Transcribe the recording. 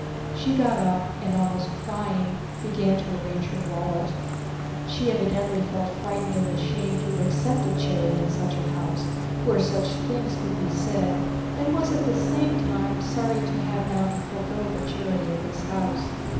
She got up and, almost crying, began to arrange her wallet. She evidently felt frightened and ashamed to have accepted charity in a house where such things could be said, and was at the same time sorry to have now to forgo the charity of this house.